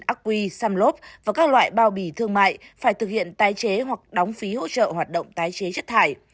ác quy xăm lốp và các loại bao bì thương mại phải thực hiện tái chế hoặc đóng phí hỗ trợ hoạt động tái chế chất thải